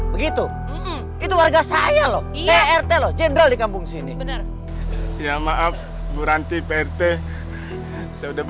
begitu itu warga saya loh iya rt lo jendral di kampung sini ya maaf buranti prt saya udah